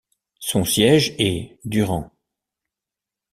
Son siège est Durand.